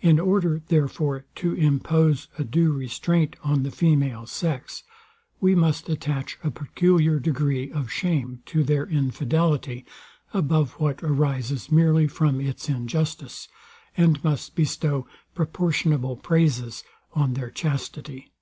In order, therefore, to impose a due restraint on the female sex, we must attach a peculiar degree of shame to their infidelity, above what arises merely from its injustice, and must bestow proportionable praises on their chastity.